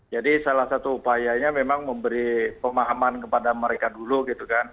jadi salah satu upayanya memang memberi pemahaman kepada mereka dulu gitu kan